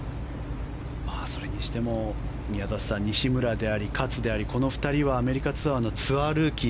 それにしても宮里さん、西村であり、勝でありこの２人はアメリカツアーのツアールーキー。